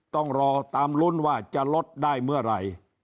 ต้องรอตามลุ้นว่าจะลดได้เมื่อไหร่